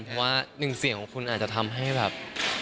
เพราะว่าหนึ่งเสียงของคุณอาจจะทำให้แบบ